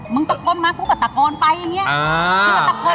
มึงตะโกนมาพูดกับตะโกนไปอย่างเงี้ย